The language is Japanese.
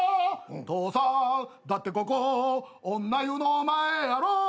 「父さんだってここ女湯の前やろ」